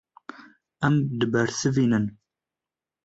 Ew dibersivînin.